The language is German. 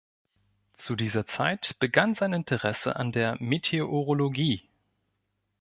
Zu dieser Zeit begann sein Interesse an der Meteorologie.